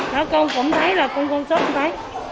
nói con cũng thấy là con con sót không thấy